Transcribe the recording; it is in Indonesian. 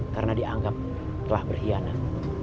karena dianggap telah berhianat